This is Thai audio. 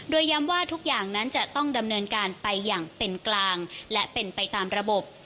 โดยย้ำว่าทุกอย่างนั้นจะต้องดำเนินการไปอย่างเป็นกลางและเป็นไปตามระบบ